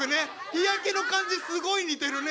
日焼けの感じすごい似てるね。